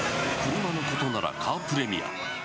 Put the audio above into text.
車のことならカープレミア。